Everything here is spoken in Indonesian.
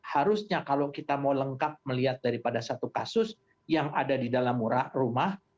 harusnya kalau kita mau lengkap melihat daripada satu kasus yang ada di dalam rumah